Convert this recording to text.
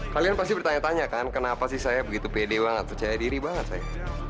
kalian pasti bertanya tanya kan kenapa sih saya begitu pede banget percaya diri banget saya